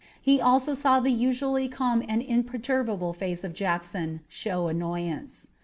He also saw the usually calm and imperturbable face of Jackson show annoyance.